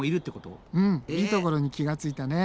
うんいいところに気が付いたね。